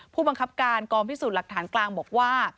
ผู้บังคับการกองพิสูจน์หลักฐานกลางบอกว่า